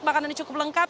makanannya cukup lengkap